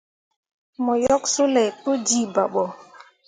Mo yok sulay pu jiiba ɓo.